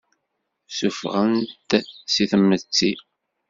Ssufɣen-t si tmetti.